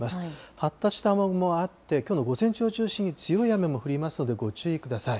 発達した雨雲もあって、きょうの午前中を中心に強い雨も降りますので、ご注意ください。